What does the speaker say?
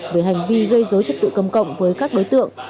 về hành vi gây dối trật tự công cộng với các đối tượng